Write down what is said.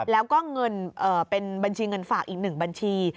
แล้วก็เงินเป็นบัญชีเงินฝากอีก๑บัญชี